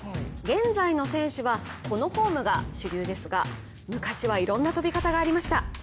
現在の選手はこのフォームが主流ですが昔はいろんな飛び方がありました。